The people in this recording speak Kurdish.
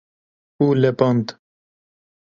û lepand